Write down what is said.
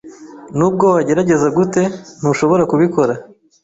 Nubwo wagerageza gute, ntuzashobora kubikora